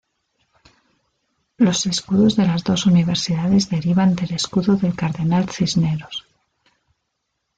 Los escudos de las dos universidades derivan del escudo del Cardenal Cisneros.